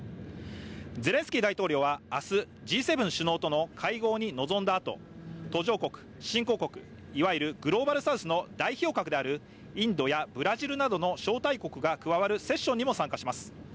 ゼレンスキー大統領は明日、Ｇ７首脳との会合に臨んだあと途上国・新興国、いわゆるグローバルサウスの代表格であるインドやブラジルなどの招待国が加わるセッションにも参加します。